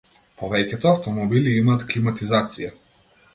Повеќето автомобили имаат климатизација.